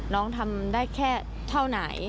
น้องทำได้แค่เท่าไหน